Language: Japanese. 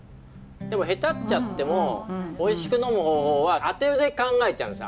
でもヘタっちゃってもおいしく呑む方法はあてで考えちゃうんです。